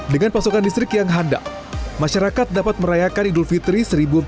dengan pasokan listrik yang handal masyarakat dapat merayakan idul fitri seribu empat ratus empat puluh